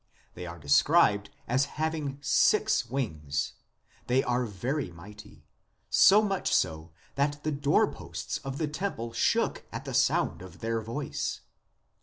They are described as having six wings ; they are very mighty, so much so that the door posts of the temple shook at the sound of their voice.